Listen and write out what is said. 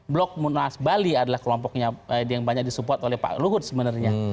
blok munas bali adalah kelompoknya yang banyak disupport oleh pak luhut sebenarnya